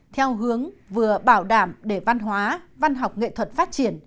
theo hướng vừa bảo đảm để văn hóa văn học nghệ thuật phát triển